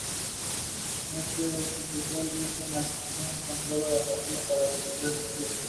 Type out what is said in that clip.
Las versiones tibetana y manchú del nombre tienen el mismo significado.